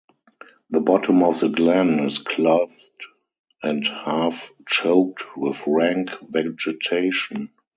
The bottom of the glen is clothed and half choked with rank vegetation.